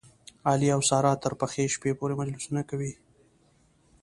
علي او ساره تر پخې شپې پورې مجلسونه کوي.